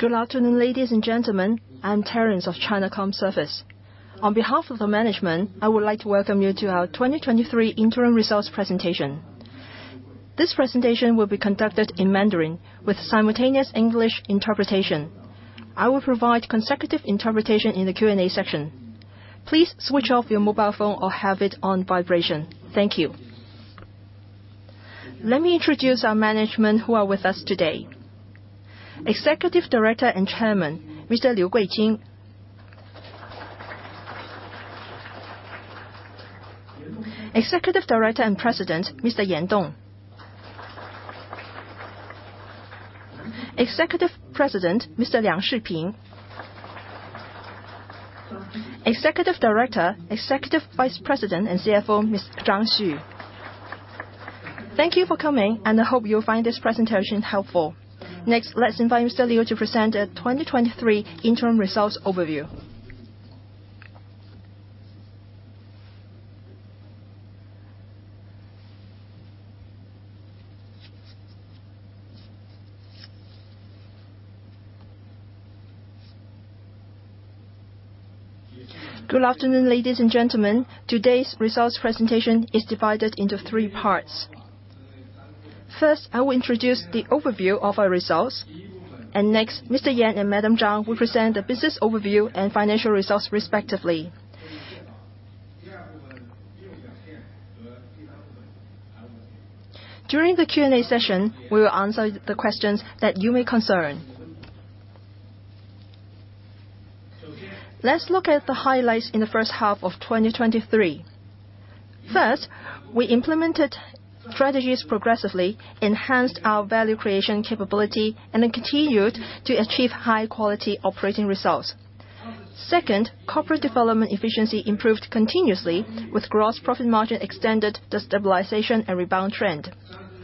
Good afternoon, ladies and gentlemen. I'm Terence of China Communications Services. On behalf of the management, I would like to welcome you to our 2023 interim results presentation. This presentation will be conducted in Mandarin, with simultaneous English interpretation. I will provide consecutive interpretation in the Q&A section. Please switch off your mobile phone or have it on vibration. Thank you. Let me introduce our management who are with us today. Executive Director and Chairman, Mr. Liu Guiqing. Executive Director and President, Mr. Yan Dong. Executive President, Mr. Liang Shiping. Executive Director, Executive Vice President, and CFO, Ms. Zhang Xu. Thank you for coming, and I hope you'll find this presentation helpful. Next, let's invite Mr. Liu to present the 2023 interim results overview. Good afternoon, ladies and gentlemen. Today's results presentation is divided into three parts. First, I will introduce the overview of our results. Next, Mr. Yan and Madam Zhang will present the business overview and financial results respectively. During the Q&A session, we will answer the questions that you may concern. Let's look at the highlights in the first half of 2023. First, we implemented strategies progressively, enhanced our value creation capability, then continued to achieve high-quality operating results. Second, corporate development efficiency improved continuously, with gross profit margin extended the stabilization and rebound trend.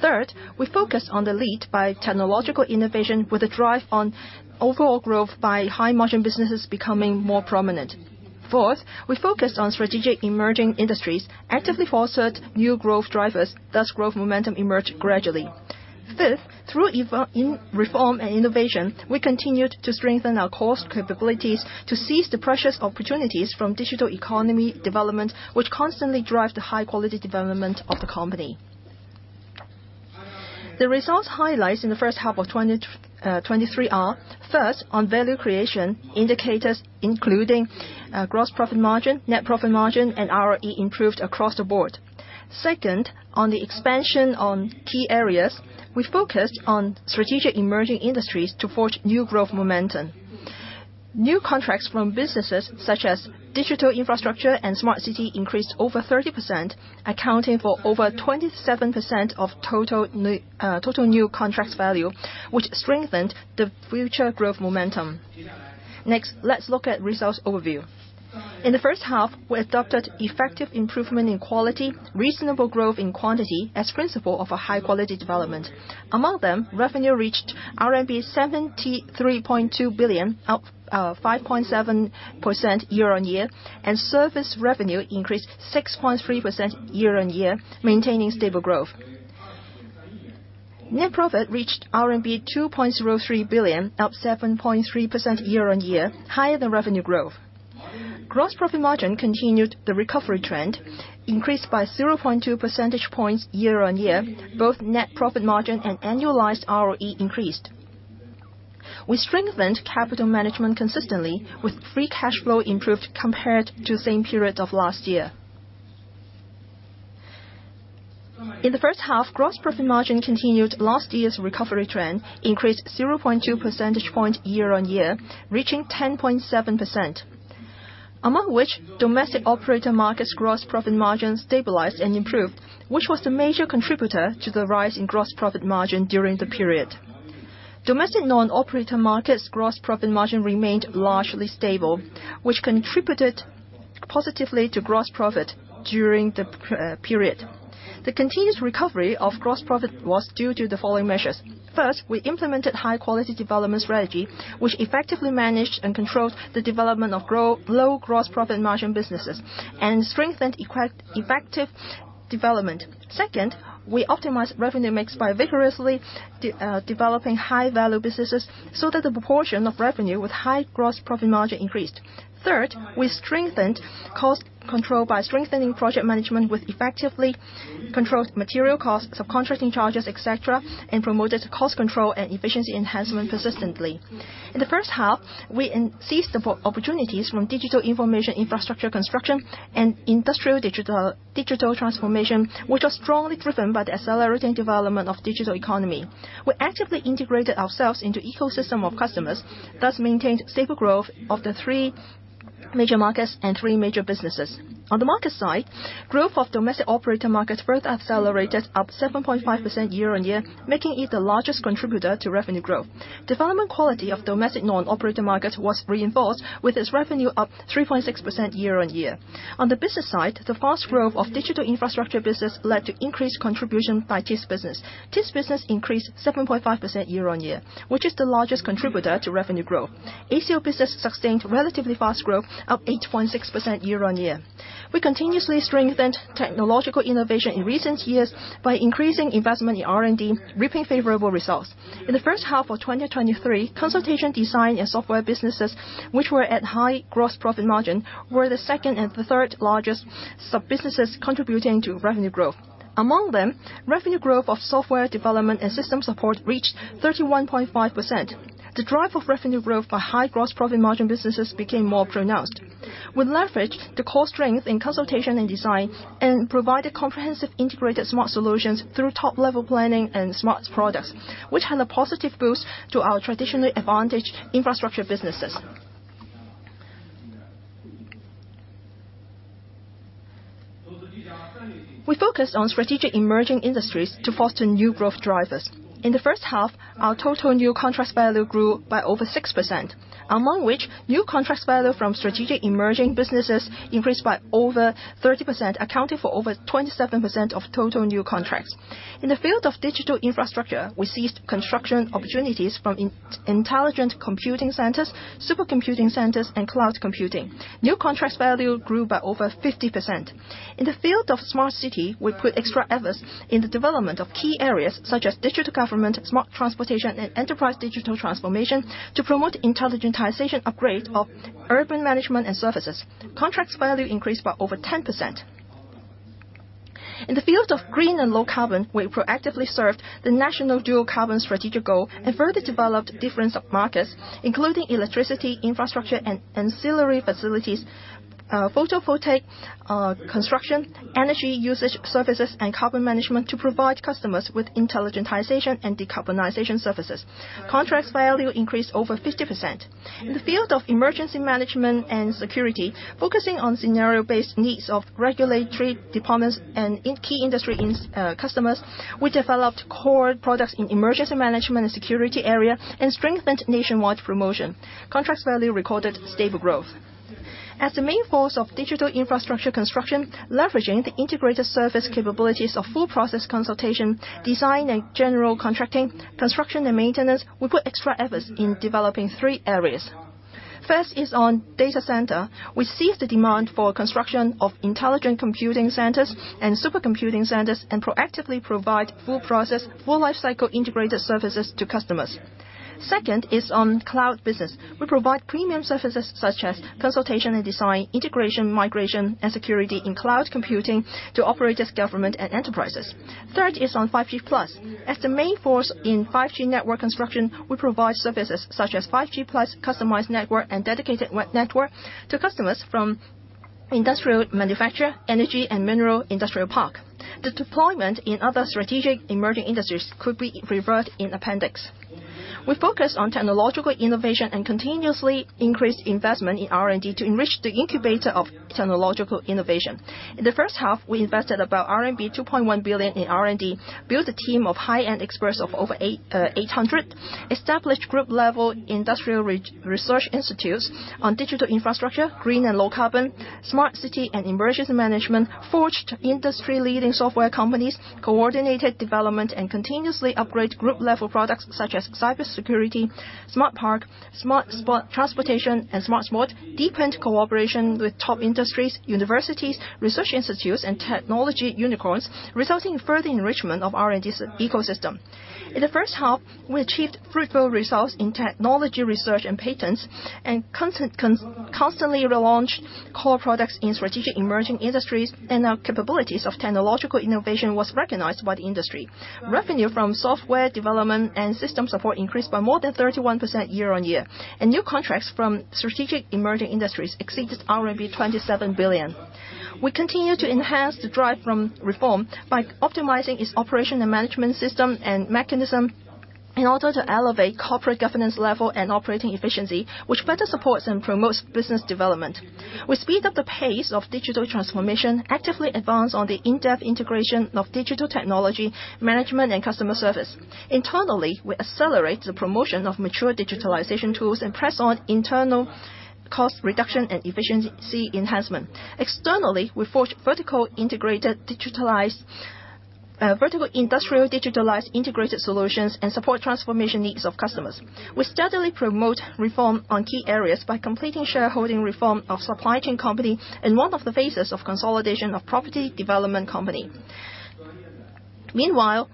Third, we focused on the lead by technological innovation, with a drive on overall growth by high-margin businesses becoming more prominent. Fourth, we focused on strategic emerging industries, actively fostered new growth drivers, thus, growth momentum emerged gradually. Fifth, through in reform and innovation, we continued to strengthen our cost capabilities to seize the precious opportunities from digital economy development, which constantly drive the high-quality development of the company. The results highlights in the first half of 2023 are, First, on value creation indicators, including gross profit margin, net profit margin, and ROE improved across the board. Second, on the expansion on key areas, we focused on strategic emerging industries to forge new growth momentum. New contracts from businesses such as digital infrastructure and smart city increased over 30%, accounting for over 27% of total new contracts value, which strengthened the future growth momentum. Next, let's look at results overview. In the first half, we adopted effective improvement in quality, reasonable growth in quantity, as principle of a high-quality development. Among them, revenue reached RMB 73.2 billion, up 5.7% year-on-year, and service revenue increased 6.3% year-on-year, maintaining stable growth. Net profit reached RMB 2.03 billion, up 7.3% year-on-year, higher than revenue growth. Gross profit margin continued the recovery trend, increased by 0.2 percentage points year-on-year. Both net profit margin and annualized ROE increased. We strengthened capital management consistently, with free cash flow improved compared to the same period of last year. In the first half, gross profit margin continued last year's recovery trend, increased 0.2 percentage point year-on-year, reaching 10.7%. Among which, domestic operator markets gross profit margin stabilized and improved, which was the major contributor to the rise in gross profit margin during the period. Domestic non-operator markets gross profit margin remained largely stable, which contributed positively to gross profit during the period. The continuous recovery of gross profit was due to the following measures. First, we implemented high-quality development strategy, which effectively managed and controlled the development of low gross profit margin businesses and strengthened effective development. Second, we optimized revenue mix by vigorously developing high-value businesses, so that the proportion of revenue with high gross profit margin increased. Third, we strengthened cost control by strengthening project management, with effectively controlled material costs, subcontracting charges, et cetera, and promoted cost control and efficiency enhancement persistently. In the first half, we seized the opportunities from digital infrastructure construction and industrial digitalization, which was strongly driven by the accelerating development of digital economy. We actively integrated ourselves into ecosystem of customers, thus maintained stable growth of the three major markets and three major businesses. On the market side, growth of domestic operator markets further accelerated, up 7.5% year-on-year, making it the largest contributor to revenue growth. Development quality of domestic non-operator markets was reinforced, with its revenue up 3.6% year-on-year. On the business side, the fast growth of digital infrastructure business led to increased contribution by TIS business. TIS business increased 7.5% year-on-year, which is the largest contributor to revenue growth. ACO business sustained relatively fast growth, up 8.6% year-on-year. We continuously strengthened technological innovation in recent years by increasing investment in R&D, reaping favorable results. In the first half of 2023, consultation, design, and software businesses, which were at high gross profit margin, were the second and the third largest sub-businesses contributing to revenue growth. Among them, revenue growth of software development and system support reached 31.5%. The drive of revenue growth for high gross profit margin businesses became more pronounced. We leveraged the core strength in consultation and design, and provided comprehensive integrated Smart solutions through top-level planning and Smart products, which had a positive boost to our traditionally advantaged infrastructure businesses. We focused on strategic emerging industries to foster new growth drivers. In the first half, our total new contracts value grew by over 6%, among which new contracts value from strategic emerging businesses increased by over 30%, accounting for over 27% of total new contracts. In the field of digital infrastructure, we seized construction opportunities from intelligent computing centers, supercomputing centers, and cloud computing. New contracts value grew by over 50%. In the field of smart city, we put extra efforts in the development of key areas, such as digital government, smart transportation, and enterprise digital transformation, to promote intelligentization upgrade of urban management and services. Contracts value increased by over 10%. In the field of green and low carbon, we proactively served the national dual carbon strategic goal and further developed different sub-markets, including electricity, infrastructure, and ancillary facilities, photovoltaic, construction, energy usage services, and carbon management to provide customers with intelligentization and decarbonization services. Contracts value increased over 50%. In the field of emergency management and security, focusing on scenario-based needs of regulatory departments and in key industries, customers, we developed core products in emergency management and security area, and strengthened nationwide promotion. Contracts value recorded stable growth. As the main force of digital infrastructure construction, leveraging the integrated service capabilities of full process consultation, design and general contracting, construction and maintenance, we put extra efforts in developing three areas. First is on data center. We seized the demand for construction of intelligent computing centers and supercomputing centers, and proactively provide full process, full life cycle integrated services to customers. Second is on cloud business. We provide premium services such as consultation and design, integration, migration, and security in cloud computing to operators, government, and enterprises. Third is on 5G Plus. As the main force in 5G network construction, we provide services such as 5G Plus customized network and dedicated private network to customers from industrial manufacture, energy and mineral industrial park. The deployment in other strategic emerging industries could be referred in appendix. We focus on technological innovation and continuously increase investment in R&D to enrich the incubator of technological innovation. In the first half, we invested about RMB 2.1 billion in R&D, built a team of high-end experts of over 800, established group-level industrial research institutes on digital infrastructure, green and low carbon, smart city and emergency management, forged industry-leading software companies, coordinated development, and continuously upgrade group-level products such as Cybersecurity, Smart Park, Smart Port Transportation, and Smart Sport, deepened cooperation with top industries, universities, research institutes, and technology unicorns, resulting in further enrichment of R&D's ecosystem. In the first half, we achieved fruitful results in technology research and patents, and constantly relaunched core products in strategic emerging industries, and our capabilities of technological innovation was recognized by the industry. Revenue from software development and system support increased by more than 31% year-on-year, and new contracts from strategic emerging industries exceeded RMB 27 billion. We continue to enhance the drive from reform by optimizing its operation and management system and mechanism in order to elevate corporate governance level and operating efficiency, which better supports and promotes business development. We speed up the pace of digital transformation, actively advance on the in-depth integration of digital technology, management, and customer service. Internally, we accelerate the promotion of mature digitalization tools and press on internal cost reduction and efficiency enhancement. Externally, we forge vertical industrial, digitalized, integrated solutions and support transformation needs of customers. We steadily promote reform on key areas by completing shareholding reform of supply chain company in one of the phases of consolidation of property development company. Meanwhile,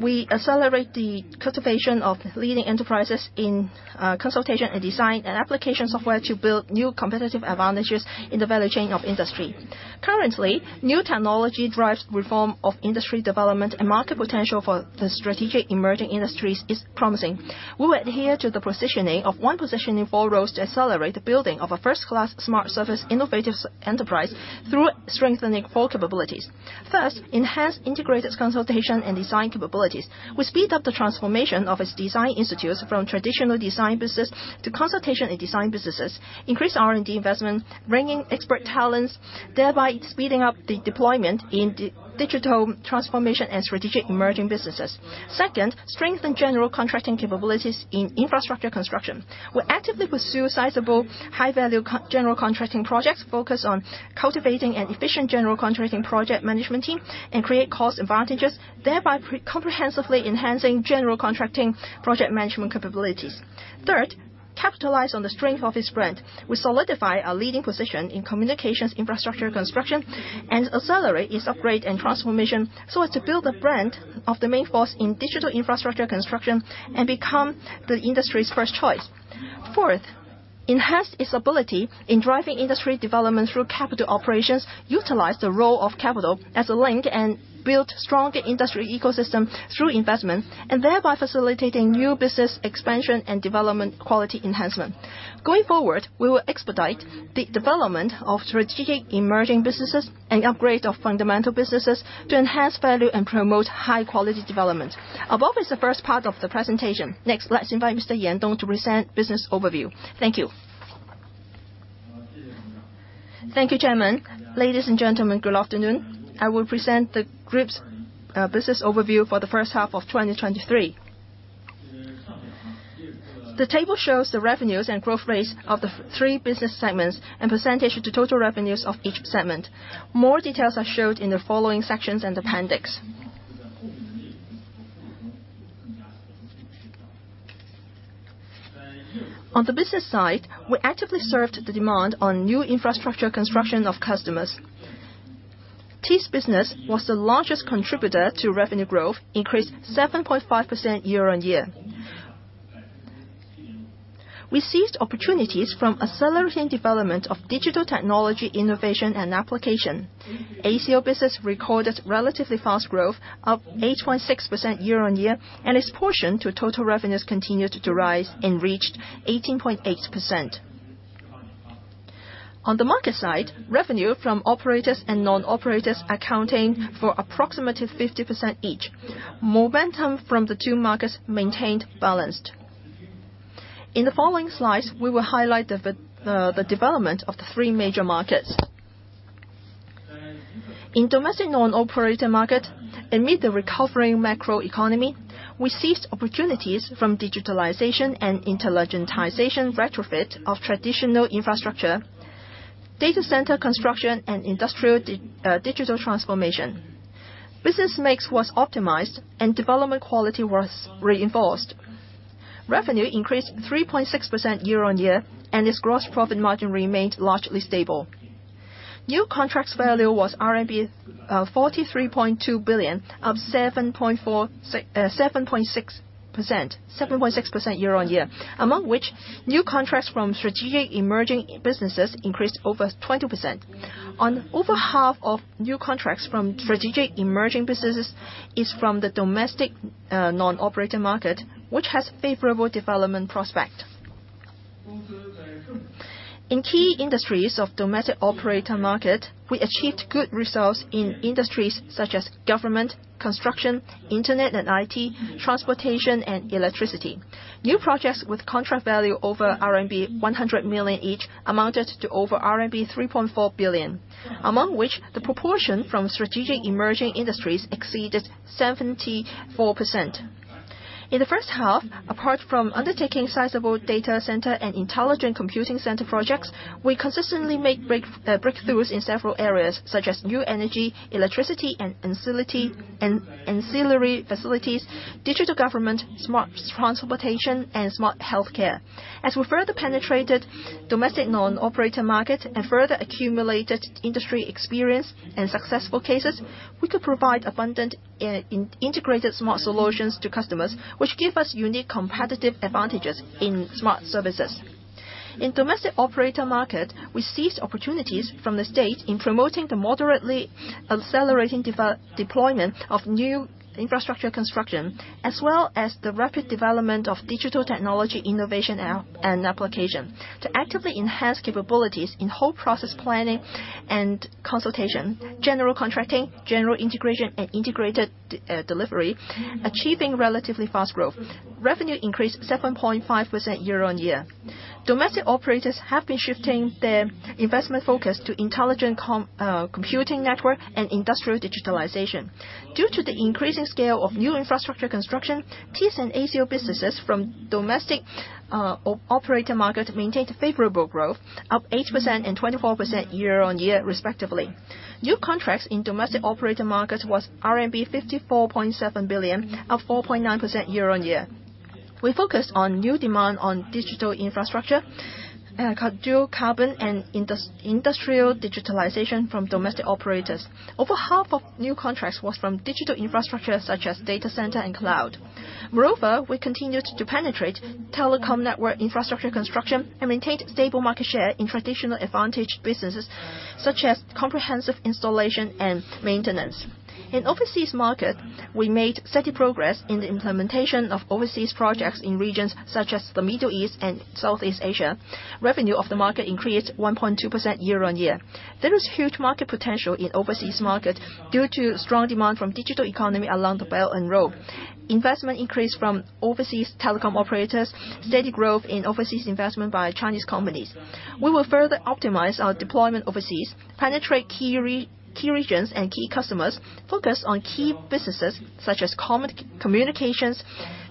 we accelerate the cultivation of leading enterprises in consultation and design and application software to build new competitive advantages in the value chain of industry. Currently, new technology drives reform of industry development and market potential for the strategic emerging industries is promising. We will adhere to the positioning of 1 positioning, 4 roles to accelerate the building of a first-class smart service innovative enterprise through strengthening four capabilities. First, enhance integrated consultation and design capabilities. We speed up the transformation of its design institutes from traditional design business to consultation and design businesses, increase R&D investment, bringing expert talents, thereby speeding up the deployment in digital transformation and strategic emerging businesses. Second, strengthen general contracting capabilities in infrastructure construction. We actively pursue sizable, high-value general contracting projects, focus on cultivating an efficient general contracting project management team, and create cost advantages, thereby comprehensively enhancing general contracting project management capabilities. Third, capitalize on the strength of its brand. We solidify our leading position in communications infrastructure construction, and accelerate its upgrade and transformation, so as to build a brand of the main force in digital infrastructure construction, and become the industry's first choice. Fourth, enhance its ability in driving industry development through capital operations, utilize the role of capital as a link, and build stronger industry ecosystem through investment, and thereby facilitating new business expansion and development quality enhancement. Going forward, we will expedite the development of strategic emerging businesses and upgrade of fundamental businesses to enhance value and promote high-quality development. Above is the first part of the presentation. Next, let's invite Mr. Yan Dong to present business overview. Thank you. Thank you, Chairman. Ladies and gentlemen, good afternoon. I will present the group's business overview for the first half of 2023. The table shows the revenues and growth rates of the three business segments and % to total revenues of each segment. More details are showed in the following sections and appendix. On the business side, we actively served the demand on new infrastructure construction of customers. TIS business was the largest contributor to revenue growth, increased 7.5% year-on-year. We seized opportunities from accelerating development of digital technology, innovation, and application. ACO business recorded relatively fast growth, up 8.6% year-on-year, and its portion to total revenues continued to rise and reached 18.8%. On the market side, revenue from operators and non-operators accounting for approximately 50% each. Momentum from the two markets maintained balanced. In the following slides, we will highlight the development of the three major markets. In domestic non-operator market, amid the recovering macroeconomy, we seized opportunities from digitalization and intelligentization retrofit of traditional infrastructure, data center construction, and industrial digital transformation. Business mix was optimized and development quality was reinforced. Revenue increased 3.6% year-on-year, and its gross profit margin remained largely stable. New contracts value was RMB 43.2 billion, up 7.6% year-on-year. Among which, new contracts from strategic emerging businesses increased over 20%. On over half of new contracts from strategic emerging businesses is from the domestic non-operator market, which has favorable development prospect. In key industries of domestic operator market, we achieved good results in industries such as government, construction, internet and IT, transportation, and electricity. New projects with contract value over RMB 100 million each, amounted to over RMB 3.4 billion. Among which, the proportion from strategic emerging industries exceeded 74%. In the first half, apart from undertaking sizable data center and intelligent computing center projects, we consistently make breakthroughs in several areas, such as new energy, electricity, and utility, and ancillary facilities, digital government, smart transportation, and smart healthcare. As we further penetrated domestic non-operator market and further accumulated industry experience and successful cases, we could provide abundant integrated smart solutions to customers, which give us unique competitive advantages in smart services. In domestic operator market, we seized opportunities from the state in promoting the moderately accelerating deployment of new infrastructure construction, as well as the rapid development of digital technology, innovation, and application, to actively enhance capabilities in whole process planning and consultation, general contracting, general integration, and integrated delivery, achieving relatively fast growth. Revenue increased 7.5% year-on-year. Domestic operators have been shifting their investment focus to intelligent computing network and industrial digitalization. Due to the increasing scale of new infrastructure construction, TIS and ACO businesses from domestic operator market maintained favorable growth, up 8% and 24% year-on-year, respectively. New contracts in domestic operator market was RMB 54.7 billion, up 4.9% year-on-year. We focused on new demand on digital infrastructure, dual carbon and industrial digitalization from domestic operators. Over half of new contracts was from digital infrastructure, such as data center and cloud. Moreover, we continued to penetrate telecom network infrastructure construction and maintained stable market share in traditional advantaged businesses, such as comprehensive installation and maintenance. In overseas market, we made steady progress in the implementation of overseas projects in regions such as the Middle East and Southeast Asia. Revenue of the market increased 1.2% year-on-year. There is huge market potential in overseas market due to strong demand from digital economy along the Belt and Road. Investment increased from overseas telecom operators. Steady growth in overseas investment by Chinese companies. We will further optimize our deployment overseas, penetrate key regions and key customers, focus on key businesses such as communications,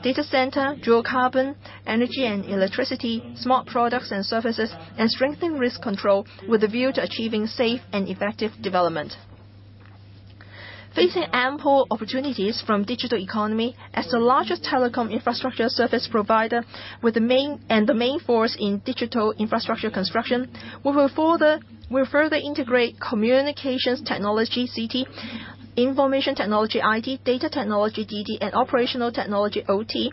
data center, dual carbon, energy and electricity, smart products and services, and strengthen risk control with a view to achieving safe and effective development. Facing ample opportunities from digital economy, as the largest telecom infrastructure service provider and the main force in digital infrastructure construction, we'll further integrate communications technology, CT, information technology, IT, data technology, DT, and operational technology, OT,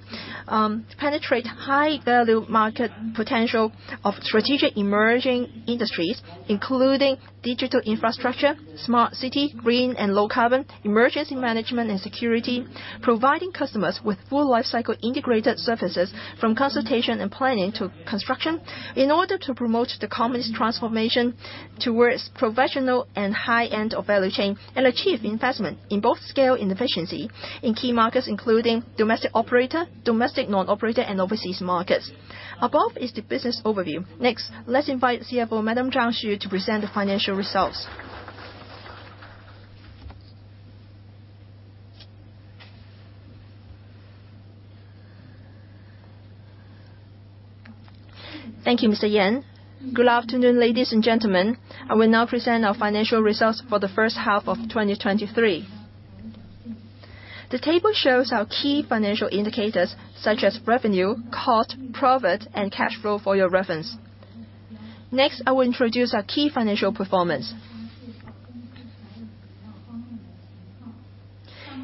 to penetrate high-value market potential of strategic emerging industries, including digital infrastructure, Smart City, green and low carbon, emergency management and security. Providing customers with full life cycle integrated services, from consultation and planning to construction, in order to promote the company's transformation towards professional and high end of value chain, and achieve investment in both scale and efficiency in key markets, including domestic operator, domestic non-operator, and overseas markets. Above is the business overview. Next, let's invite CFO, Madam Zhang Xu, to present the financial results. Thank you, Mr. Yan. Good afternoon, ladies and gentlemen. I will now present our financial results for the first half of 2023. The table shows our key financial indicators, such as revenue, cost, profit, and cash flow for your reference. I will introduce our key financial performance.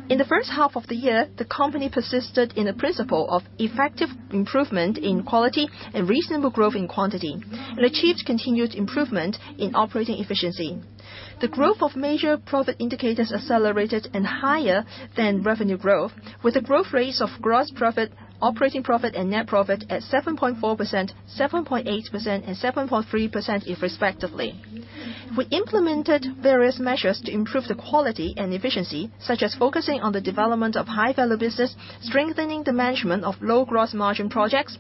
In the first half of the year, the company persisted in a principle of effective improvement in quality and reasonable growth in quantity, achieved continued improvement in operating efficiency. The growth of major profit indicators accelerated higher than revenue growth, with a growth rate of gross profit, operating profit and net profit at 7.4%, 7.8%, and 7.3% respectively. We implemented various measures to improve the quality and efficiency, such as focusing on the development of high-value business, strengthening the management of low gross margin projects,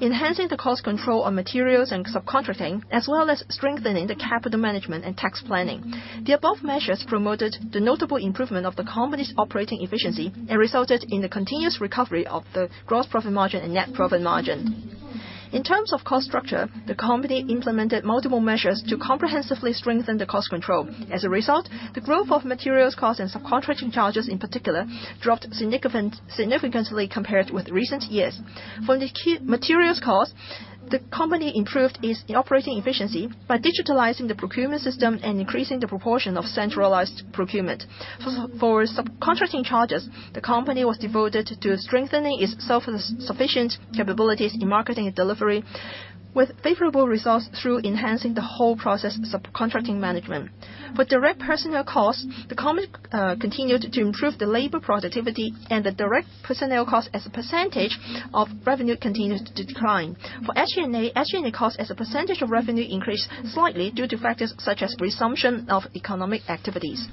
enhancing the cost control on materials and subcontracting, as well as strengthening the capital management and tax planning. The above measures promoted the notable improvement of the company's operating efficiency and resulted in the continuous recovery of the gross profit margin and net profit margin. In terms of cost structure, the company implemented multiple measures to comprehensively strengthen the cost control. As a result, the growth of materials cost and subcontracting charges, in particular, dropped significantly compared with recent years. For the key materials cost, the company improved its operating efficiency by digitalizing the procurement system and increasing the proportion of centralized procurement. For subcontracting charges, the company was devoted to strengthening its self-sufficient capabilities in marketing and delivery, with favorable results through enhancing the whole process of subcontracting management. For direct personnel costs, the company continued to improve the labor productivity and the direct personnel cost as a percentage of revenue continues to decline. For SG&A, SG&A cost as a percentage of revenue increased slightly due to factors such as resumption of economic activities.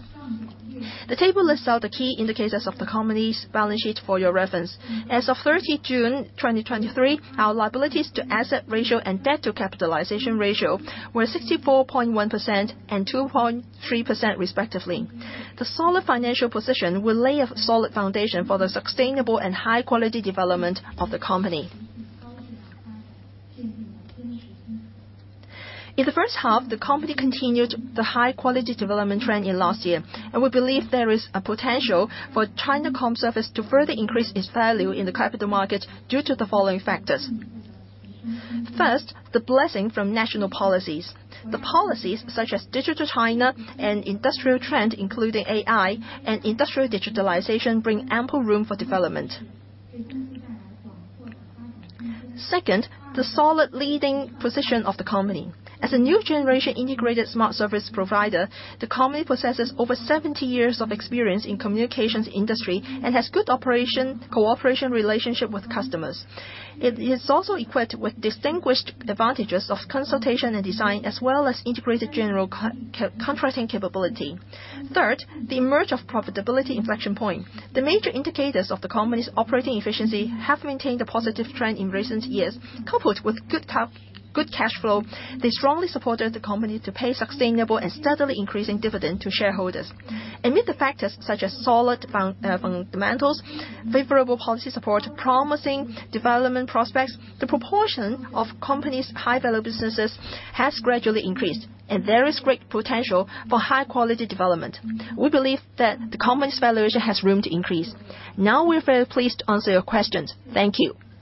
The table lists out the key indicators of the company's balance sheet for your reference. As of 30 June, 2023, our liabilities to asset ratio and debt to capitalization ratio were 64.1% and 2.3% respectively. The solid financial position will lay a solid foundation for the sustainable and high-quality development of the company. In the first half, the company continued the high-quality development trend in last year, and we believe there is a potential for China Communications Services to further increase its value in the capital market due to the following factors. First, the blessing from national policies. The policies such as Digital China and industrial trend, including AI and industrial digitalization, bring ample room for development. Second, the solid leading position of the company. As a new generation integrated smart service provider, the company possesses over 70 years of experience in communications industry and has good operation, cooperation, relationship with customers. It is also equipped with distinguished advantages of consultation and design, as well as integrated general contracting capability. Third, the emerge of profitability inflection point. The major indicators of the company's operating efficiency have maintained a positive trend in recent years. Coupled with good top, good cash flow, they strongly supported the company to pay sustainable and steadily increasing dividend to shareholders. Amid the factors such as solid fun- fundamentals, favorable policy support, promising development prospects, the proportion of company's high-value businesses has gradually increased. There is great potential for high-quality development. We believe that the company's valuation has room to increase. Now we're very pleased to answer your questions. Thank you.